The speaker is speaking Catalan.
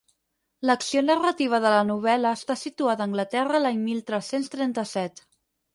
L'acció narrativa de la novel·la està situada a Anglaterra l'any mil tres-cents trenta-set.